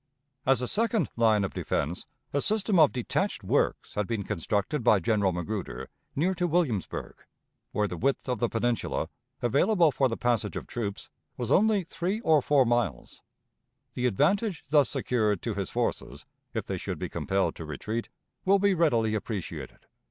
As a second line of defense, a system of detached works had been constructed by General Magruder near to Williamsburg, where the width of the Peninsula, available for the passage of troops, was only three or four miles. The advantage thus secured to his forces, if they should be compelled to retreat, will be readily appreciated.